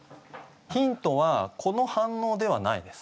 ヒントは子の反応ではないです。